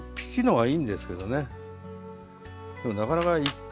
はい。